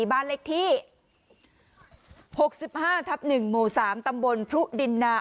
บ้านเล็กที่หกสิบห้าทับหนึ่งหมู่สามตำบลพรุ่งดินนา